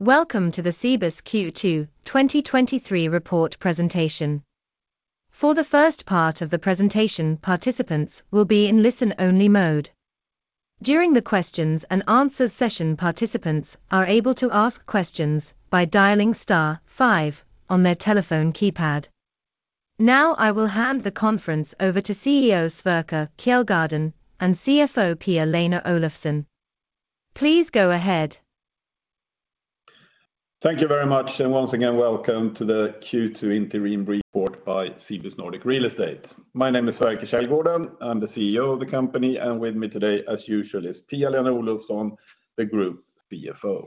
Welcome to the Cibus Q2 2023 report presentation. For the first part of the presentation, participants will be in listen-only mode. During the questions and answers session, participants are able to ask questions by dialing star five on their telephone keypad. I will hand the conference over to CEO Sverker Källgården and CFO Pia-Lena Olofsson. Please go ahead. Thank you very much. Once again, welcome to the Q2 interim report by Cibus Nordic Real Estate. My name is Sverker Källgården. I'm the CEO of the company, and with me today, as usual, is Pia-Lena Olofsson, the group CFO.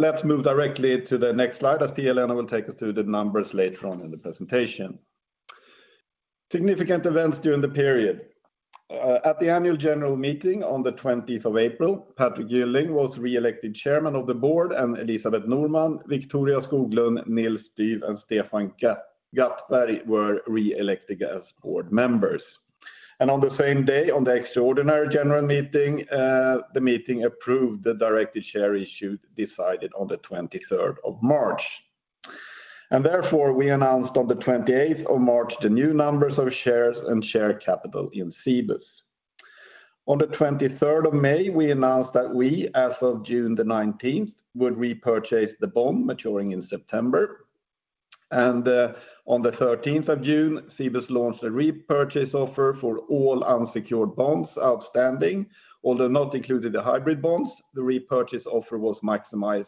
Let's move directly to the next slide, as Pia-Lena will take us through the numbers later on in the presentation. Significant events during the period. At the annual general meeting on the 20th of April, Patrick Gylling was re-elected Chairman of the Board, and Elisabeth Norman, Victoria Skoglund, Nils Styf, and Stefan Gattberg were re-elected as board members. On the same day, on the extraordinary general meeting, the meeting approved the directed share issue decided on the 23rd of March. Therefore, we announced on the 28th of March, the new numbers of shares and share capital in Cibus. On the 23rd of May, we announced that we, as of June the 19th, would repurchase the bond maturing in September. On the 13th of June, Cibus launched a repurchase offer for all unsecured bonds outstanding, although not included the hybrid bonds, the repurchase offer was maximized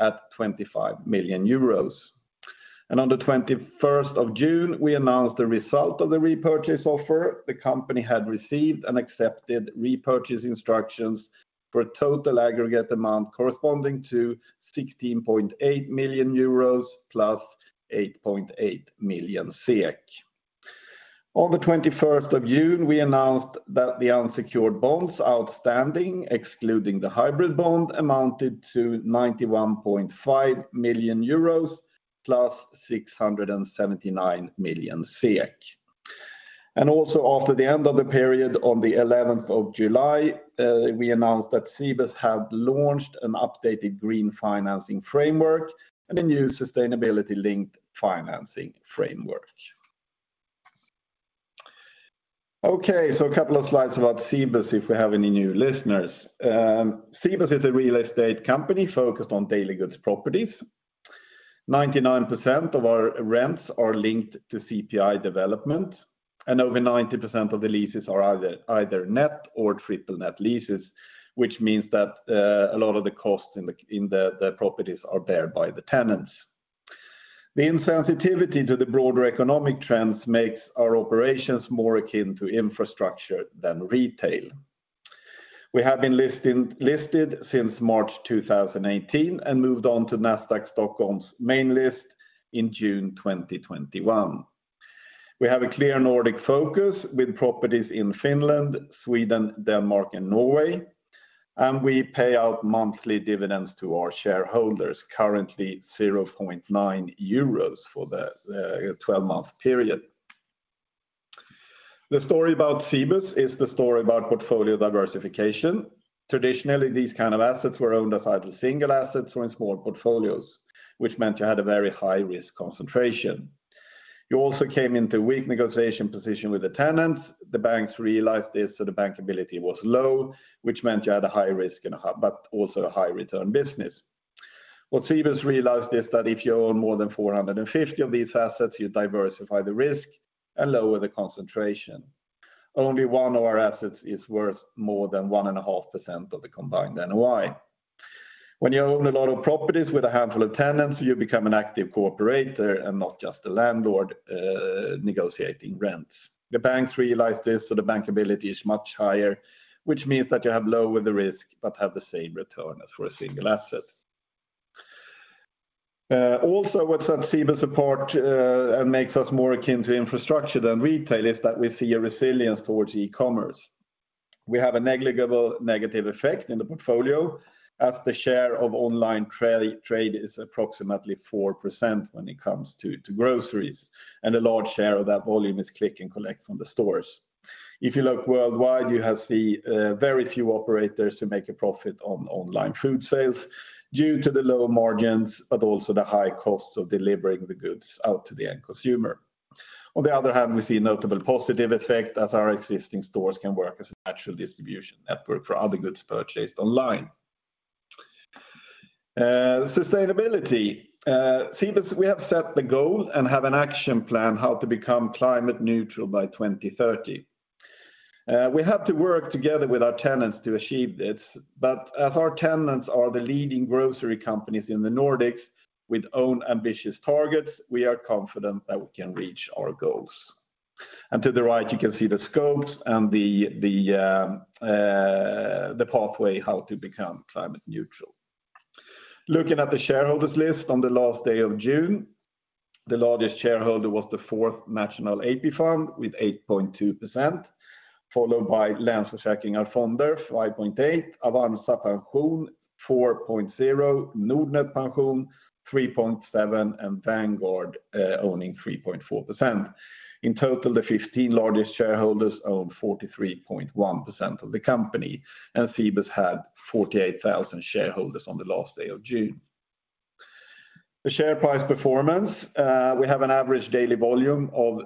at 25 million euros. On the 21st of June, we announced the result of the repurchase offer. The company had received and accepted repurchase instructions for a total aggregate amount corresponding to 16.8 million euros plus 8.8 million SEK. On the 21st of June, we announced that the unsecured bonds outstanding, excluding the hybrid bond, amounted to 91.5 million euros plus 679 million SEK. Also, after the end of the period on the 11th of July, we announced that Cibus had launched an updated green financing framework and a new sustainability-linked financing framework. A couple of slides about Cibus, if we have any new listeners. Cibus is a real estate company focused on daily goods properties. 99% of our rents are linked to CPI development, and over 90% of the leases are either net or triple net leases, which means that a lot of the costs in the properties are bear by the tenants. The insensitivity to the broader economic trends makes our operations more akin to infrastructure than retail. We have been listed since March 2018 and moved on to Nasdaq Stockholm's main list in June 2021. We have a clear Nordic focus with properties in Finland, Sweden, Denmark, and Norway, and we pay out monthly dividends to our shareholders, currently 0.9 euros for the 12-month period. The story about Cibus is the story about portfolio diversification. Traditionally, these kind of assets were owned as either single assets or in small portfolios, which meant you had a very high-risk concentration. You also came into weak negotiation position with the tenants. The banks realized this, so the bankability was low, which meant you had a high risk but also a high return business. What Cibus realized is that if you own more than 450 of these assets, you diversify the risk and lower the concentration. Only one of our assets is worth more than 1.5% of the combined NOI. When you own a lot of properties with a handful of tenants, you become an active operator and not just a landlord, negotiating rents. The banks realize this, so the bankability is much higher, which means that you have lowered the risk but have the same return as for a single asset. Also, what's at Cibus support and makes us more akin to infrastructure than retail, is that we see a resilience towards e-commerce. We have a negligible negative effect in the portfolio, as the share of online trade is approximately 4% when it comes to groceries, and a large share of that volume is click and collect from the stores. If you look worldwide, you have see very few operators who make a profit on online food sales due to the lower margins, but also the high costs of delivering the goods out to the end consumer. On the other hand, we see a notable positive effect as our existing stores can work as an actual distribution network for other goods purchased online. Sustainability. Cibus, we have set the goal and have an action plan how to become climate neutral by 2030. We have to work together with our tenants to achieve this, but as our tenants are the leading grocery companies in the Nordics with own ambitious targets, we are confident that we can reach our goals. To the right, you can see the scopes and the pathway, how to become climate neutral. Looking at the shareholders list on the last day of June, the largest shareholder was the Fourth Swedish National AP Fund with 8.2%, followed by Länsförsäkringar Fondförvaltning, 5.8%, Avanza Pension, 4.0%, Nordnet Pension, 3.7%, and Vanguard, owning 3.4%. In total, the 15 largest shareholders own 43.1% of the company, and Cibus had 48,000 shareholders on the last day of June. The share price performance, we have an average daily volume of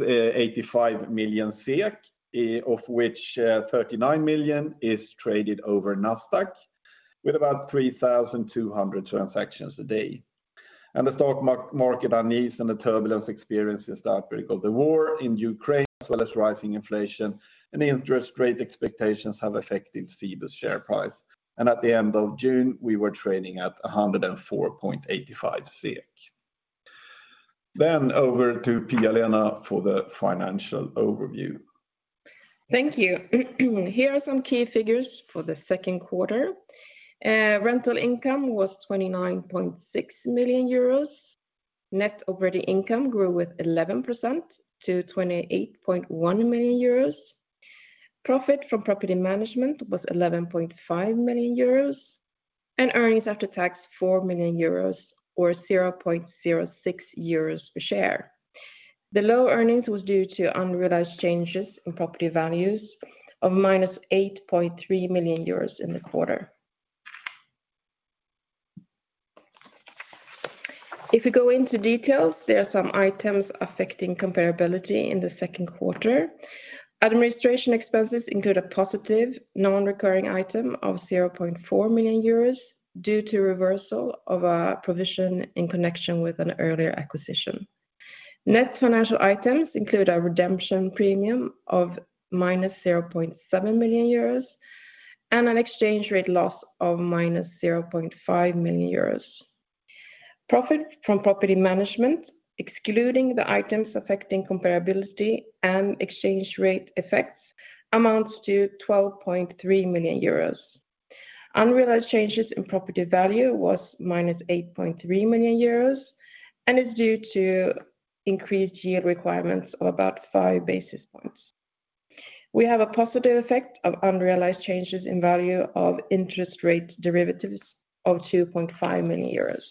85 million, of which, 39 million is traded over Nasdaq, with about 3,200 transactions a day. The stock market unease and the turbulence experienced since the outbreak of the war in Ukraine, as well as rising inflation and interest rate expectations, have affected Cibus share price. At the end of June, we were trading at 104.85. Over to Pia-Lena for the financial overview. Thank you. Here are some key figures for the second quarter. Rental income was 29.6 million euros. Net operating income grew with 11% to 28.1 million euros. Profit from property management was 11.5 million euros, and earnings after tax, 4 million euros, or 0.06 euros per share. The low earnings was due to unrealized changes in property values of minus 8.3 million euros in the quarter. If you go into details, there are some items affecting comparability in the second quarter. Administration expenses include a positive, non-recurring item of 0.4 million euros due to reversal of a provision in connection with an earlier acquisition. Net financial items include a redemption premium of minus 0.7 million euros and an exchange rate loss of minus 0.5 million euros. Profit from property management, excluding the items affecting comparability and exchange rate effects, amounts to 12.3 million euros. Unrealized changes in property value was minus 8.3 million euros, and is due to increased yield requirements of about 5 basis points. We have a positive effect of unrealized changes in value of interest rate derivatives of 2.5 million euros.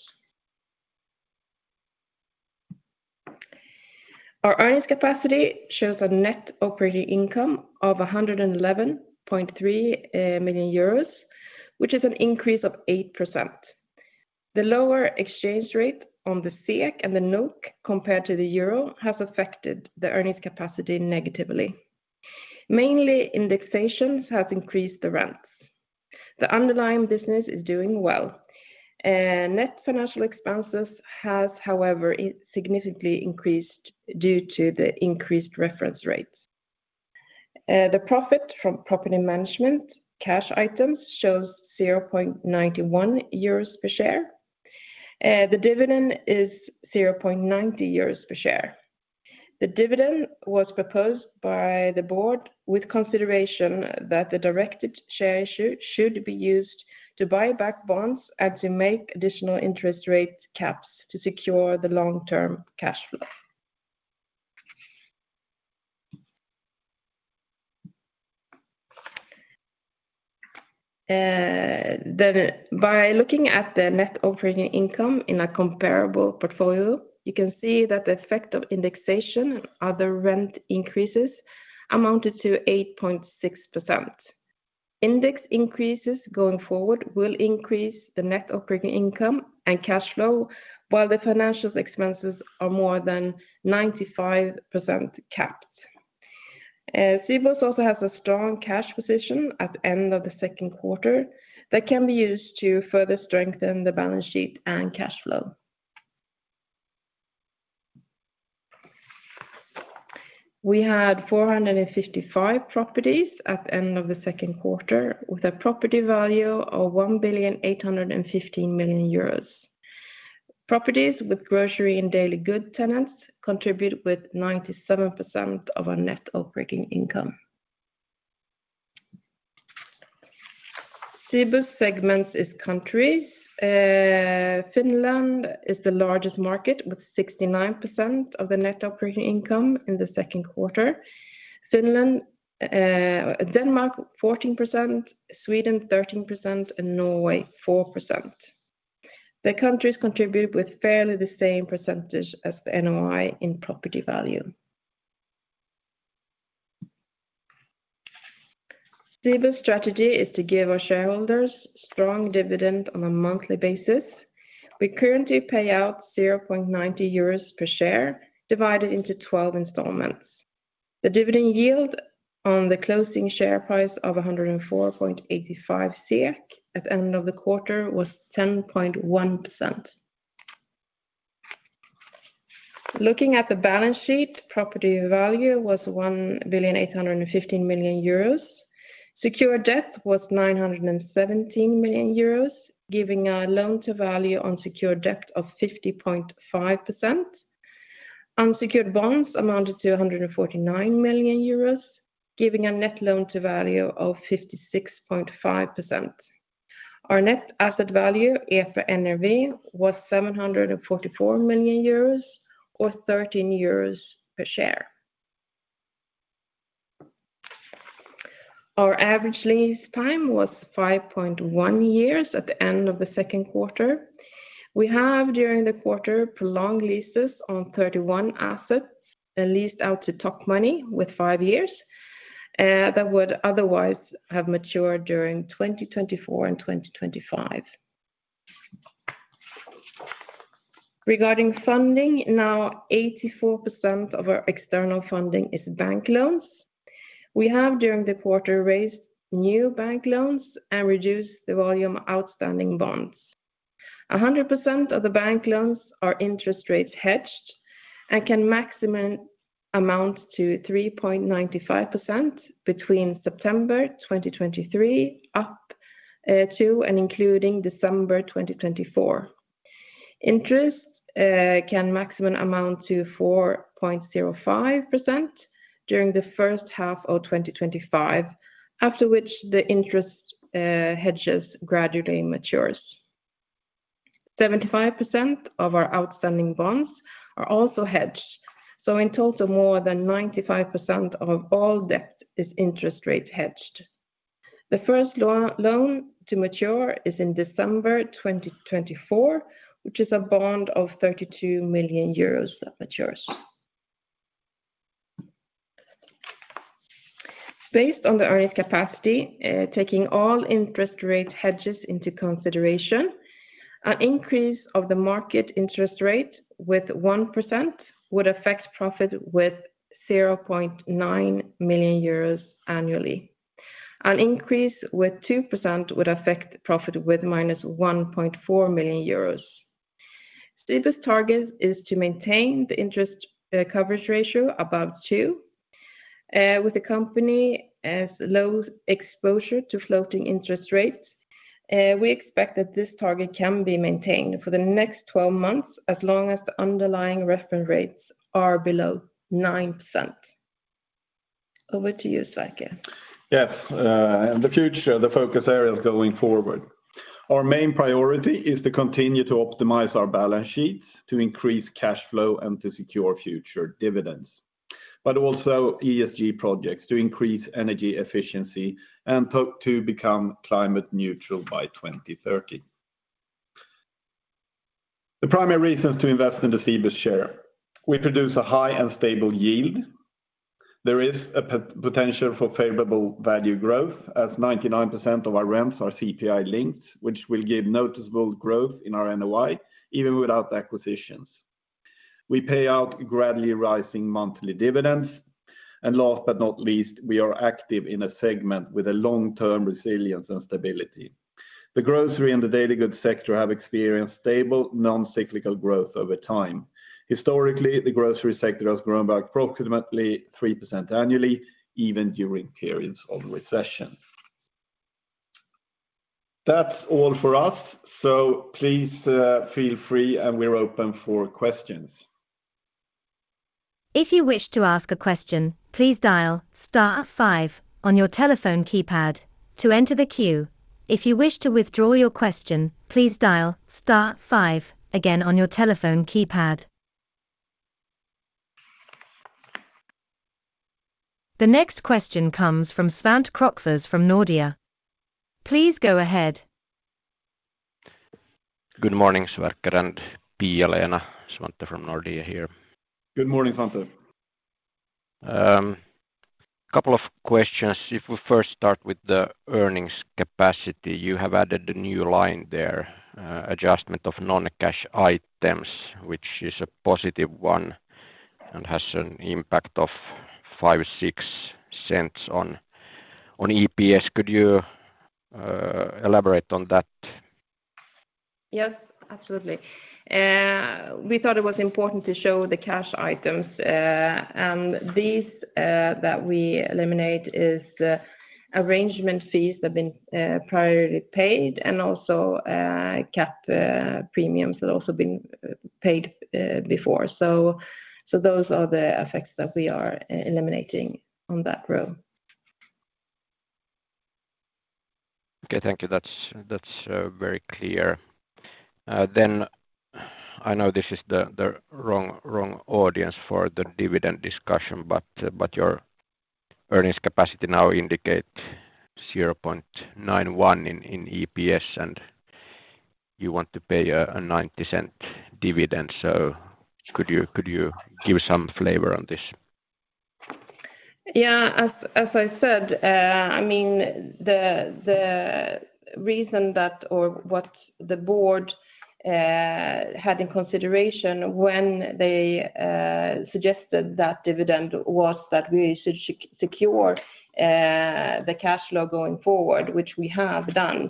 Our earnings capacity shows a net operating income of 111.3 million euros, which is an increase of 8%. The lower exchange rate on the SEK and the NOK, compared to the euro, has affected the earnings capacity negatively. Mainly, indexations have increased the rents. The underlying business is doing well. Net financial expenses has, however, significantly increased due to the increased reference rates. The profit from property management cash items shows 0.91 euros per share. The dividend is 0.90 euros per share. The dividend was proposed by the board with consideration that the directed share issue should be used to buy back bonds and to make additional interest rate caps to secure the long-term cash flow. By looking at the net operating income in a comparable portfolio, you can see that the effect of indexation and other rent increases amounted to 8.6%. Index increases going forward will increase the net operating income and cash flow, while the financial expenses are more than 95% capped. Cibus also has a strong cash position at the end of the second quarter that can be used to further strengthen the balance sheet and cash flow. We had 455 properties at the end of the second quarter, with a property value of 1,815 million euros. Properties with grocery and daily good tenants contribute with 97% of our net operating income. Cibus segments is countries. Finland is the largest market, with 69% of the net operating income in the second quarter. Finland, Denmark, 14%, Sweden, 13%, and Norway, 4%. The countries contribute with fairly the same percentage as the NOI in property value. Cibus' strategy is to give our shareholders strong dividend on a monthly basis. We currently pay out 0.90 euros per share, divided into 12 installments. The dividend yield on the closing share price of 104.85 SEK at the end of the quarter was 10.1%. Looking at the balance sheet, property value was 1,815 million euros. Secured debt was 917 million euros, giving a loan-to-value on secured debt of 50.5%. Unsecured bonds amounted to 149 million euros, giving a net loan to value of 56.5%. Our net asset value, EPRA NAV, was 744 million euros, or 13 euros per share. Our average lease time was 5.1 years at the end of the second quarter. We have, during the quarter, prolonged leases on 31 assets and leased out to Tokmanni with five years that would otherwise have matured during 2024 and 2025. Regarding funding, now 84% of our external funding is bank loans. We have, during the quarter, raised new bank loans and reduced the volume of outstanding bonds. 100% of the bank loans are interest rates hedged, and can maximum amount to 3.95% between September 2023, up to and including December 2024. Interest can maximum amount to 4.05% during the first half of 2025, after which the interest hedges gradually matures. 75% of our outstanding bonds are also hedged. In total, more than 95% of all debt is interest rate hedged. The first loan to mature is in December 2024, which is a bond of 32 million euros that matures. Based on the earnings capacity, taking all interest rate hedges into consideration, an increase of the market interest rate with 1% would affect profit with 0.9 million euros annually. An increase with 2% would affect profit with -1.4 million euros. Cibus target is to maintain the interest coverage ratio above two. With the company as low exposure to floating interest rates, we expect that this target can be maintained for the next 12 months, as long as the underlying reference rates are below 9%. Over to you, Sverker. Yes, in the future, the focus areas going forward. Our main priority is to continue to optimize our balance sheets, to increase cash flow, and to secure future dividends, but also ESG projects to increase energy efficiency and to become climate neutral by 2030. The primary reasons to invest in the Cibus share: we produce a high and stable yield. There is a potential for favorable value growth, as 99% of our rents are CPI linked, which will give noticeable growth in our NOI, even without acquisitions. We pay out gradually rising monthly dividends. Last but not least, we are active in a segment with a long-term resilience and stability. The grocery and the daily goods sector have experienced stable, non-cyclical growth over time. Historically, the grocery sector has grown by approximately 3% annually, even during periods of recession. That's all for us, so please feel free, and we're open for questions. If you wish to ask a question, please dial star five on your telephone keypad to enter the queue. If you wish to withdraw your question, please dial star five again on your telephone keypad. The next question comes from Svante Krokfors from Nordea. Please go ahead. Good morning, Sverker and Pia-Lena. Svante from Nordea here. Good morning, Svante. Couple of questions. We first start with the earnings capacity, you have added a new line there, adjustment of non-cash items, which is a positive one and has an impact of 0.05-0.06 on EPS. Could you elaborate on that? Yes, absolutely. We thought it was important to show the cash items, and these that we eliminate is the arrangement fees have been priority paid, and also cap premiums that also been paid before. Those are the effects that we are eliminating on that row. Okay, thank you. That's very clear. I know this is the wrong audience for the dividend discussion, but your earnings capacity now indicate 0.91 in EPS, and you want to pay a 9% dividend. Could you give some flavor on this? Yeah, as I said, the reason that, or what the board had in consideration when they suggested that dividend was that we should secure the cash flow going forward, which we have done.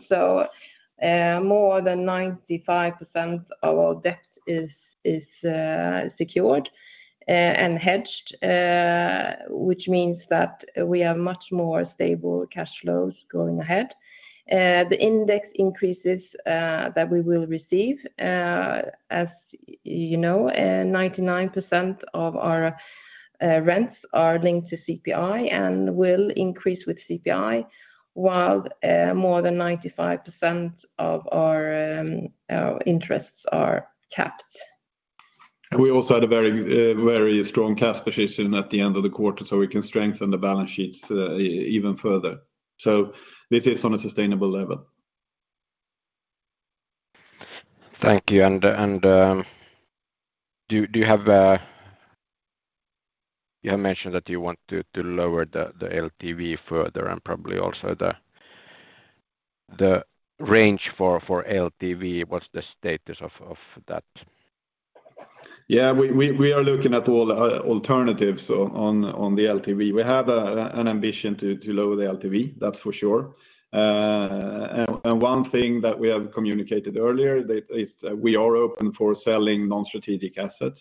More than 95% of our debt is secured and hedged, which means that we have much more stable cash flows going ahead. The index increases that we will receive, as you know, 99% of our rents are linked to CPI and will increase with CPI, while more than 95% of our interests are capped. We also had a very strong cash position at the end of the quarter, so we can strengthen the balance sheets even further. This is on a sustainable level? Thank you. You have mentioned that you want to lower the LTV further and probably also the range for LTV. What's the status of that? Yeah, we are looking at all the alternatives on the LTV. We have an ambition to lower the LTV, that's for sure. One thing that we have communicated earlier, that is that we are open for selling non-strategic assets.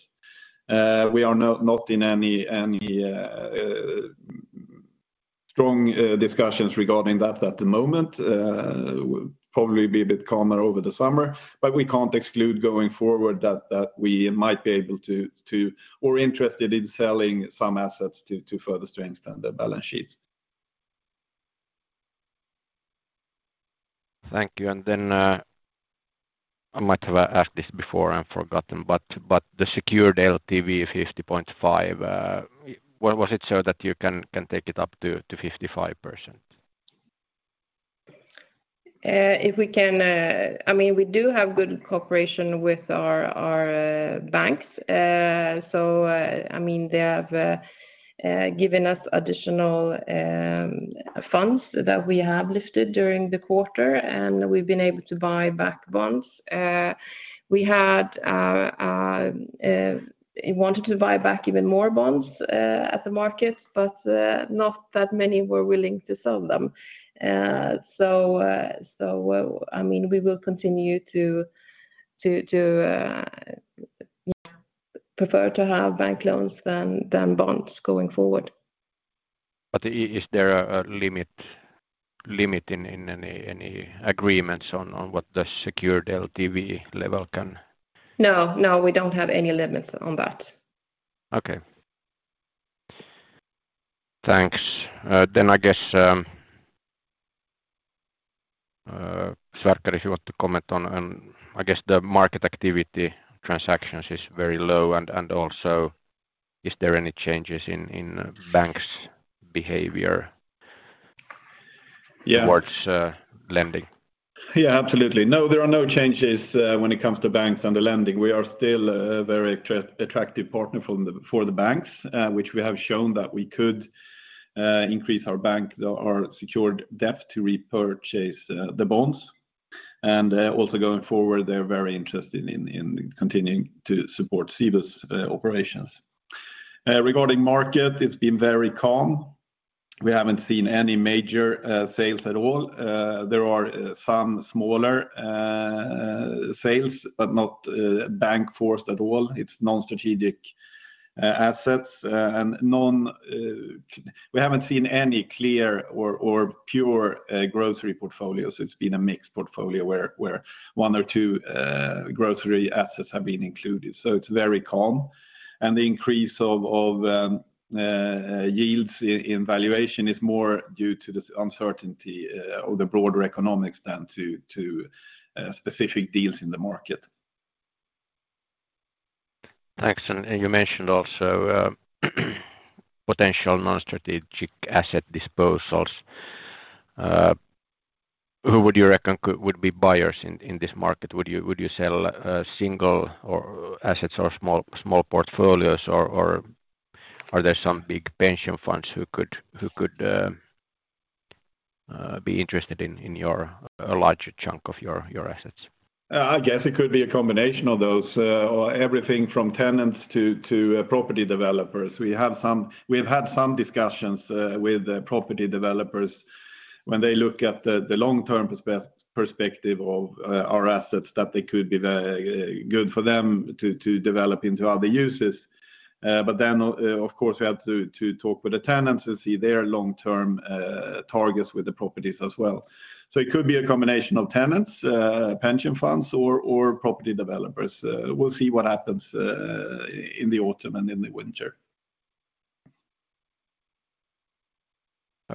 We are not in any strong discussions regarding that at the moment. Probably be a bit calmer over the summer, but we can't exclude going forward that we might be able to. We're interested in selling some assets to further strengthen the balance sheet. Thank you. I might have asked this before and forgotten, but the secured LTV 50.5, where was it so that you can take it up to 55%? If we can, I mean, we do have good cooperation with our banks. I mean, they have given us additional funds that we have lifted during the quarter, and we've been able to buy back bonds. We had wanted to buy back even more bonds at the market, but not that many were willing to sell them. I mean, we will continue to prefer to have bank loans than bonds going forward. Is there a limit in any agreements on what the secured LTV level can? No, no, we don't have any limits on that. Okay. Thanks. I guess Sverker, if you want to comment on I guess, the market activity transactions is very low, and also is there any changes in banks' behavior- Yeah Towards, lending? Yeah, absolutely. No, there are no changes when it comes to banks and the lending. We are still a very attractive partner for the banks, which we have shown that we could increase our secured debt to repurchase the bonds. Also going forward, they're very interested in continuing to support Cibus operations. Regarding market, it's been very calm. We haven't seen any major sales at all. There are some smaller sales, but not bank forced at all. It's non-strategic assets, and non... We haven't seen any clear or pure grocery portfolios. It's been a mixed portfolio where one or two grocery assets have been included, so it's very calm. The increase of yields in valuation is more due to the uncertainty or the broader economics than to specific deals in the market. Thanks. You mentioned also potential non-strategic asset disposals. Who would you reckon would be buyers in this market? Would you sell single or assets or small portfolios, or are there some big pension funds who could be interested in your, a larger chunk of your assets? I guess it could be a combination of those, or everything from tenants to property developers. We've had some discussions with the property developers when they look at the long-term perspective of our assets, that they could be very good for them to develop into other uses. Of course, we have to talk with the tenants and see their long-term targets with the properties as well. It could be a combination of tenants, pension funds, or property developers. We'll see what happens in the autumn and in the winter.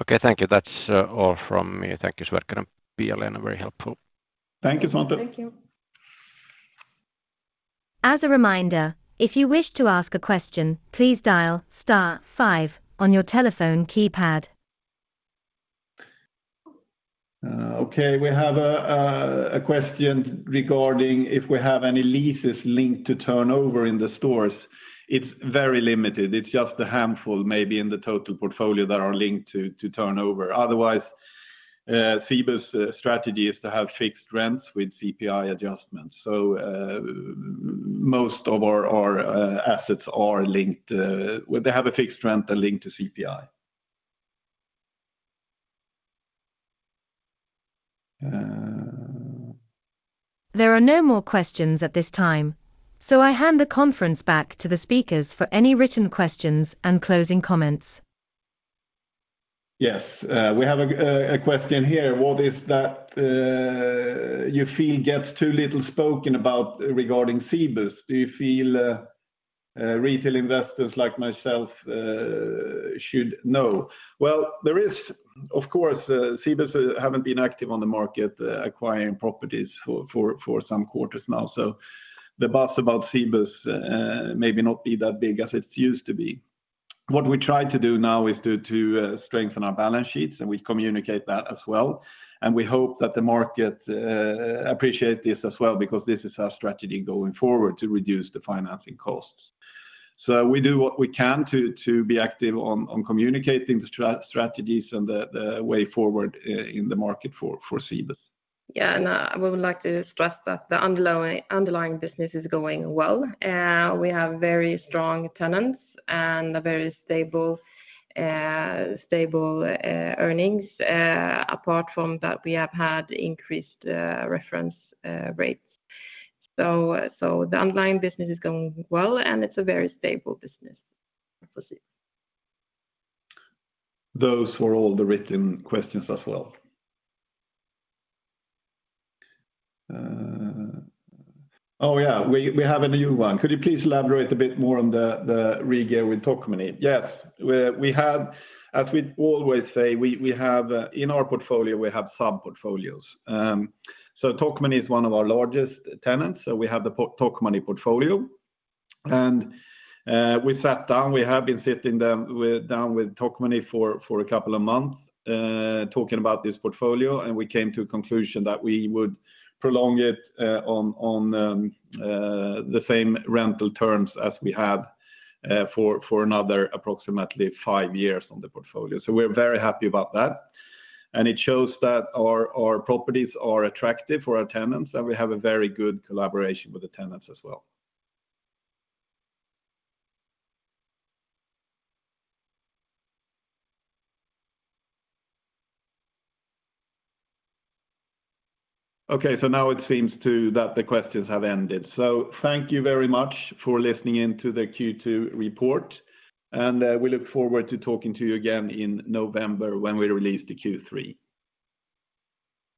Okay, thank you. That's all from me. Thank you, Sverker and Pia-Lena. Very helpful. Thank you, Svante. Thank you. As a reminder, if you wish to ask a question, please dial star five on your telephone keypad. Okay, we have a question regarding if we have any leases linked to turnover in the stores. It's very limited. It's just a handful, maybe in the total portfolio that are linked to turnover. Otherwise, Cibus' strategy is to have fixed rents with CPI adjustments. Most of our assets are linked, well, they have a fixed rent and linked to CPI. There are no more questions at this time, so I hand the conference back to the speakers for any written questions and closing comments. Yes, we have a question here. What is that you feel gets too little spoken about regarding Cibus? Do you feel retail investors like myself should know? Well, there is, of course, Cibus haven't been active on the market acquiring properties for some quarters now. The buzz about Cibus maybe not be that big as it used to be. What we try to do now is to strengthen our balance sheets, and we communicate that as well. We hope that the market appreciate this as well, because this is our strategy going forward to reduce the financing costs. We do what we can to be active on communicating the strategies and the way forward in the market for Cibus. We would like to stress that the underlying business is going well. We have very strong tenants and a very stable earnings. Apart from that, we have had increased reference rates. The underlying business is going well, and it's a very stable business for Cibus. Those were all the written questions as well. Oh, yeah, we have a new one. Could you please elaborate a bit more on the regear with Tokmanni? Yes, we have as we always say, we have in our portfolio, we have sub-portfolios. So Tokmanni is one of our largest tenants, so we have the Tokmanni portfolio. We sat down, we have been sitting down with Tokmanni for a couple of months, talking about this portfolio, and we came to a conclusion that we would prolong it on the same rental terms as we had for another approximately five years on the portfolio. We're very happy about that. It shows that our properties are attractive for our tenants, and we have a very good collaboration with the tenants as well. Now it seems to that the questions have ended. Thank you very much for listening in to the Q2 report, and we look forward to talking to you again in November when we release the Q3.